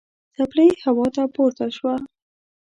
څپلۍ هوا ته پورته شوه.